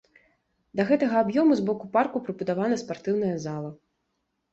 Да гэтага аб'ёму з боку парку прыбудавана спартыўная зала.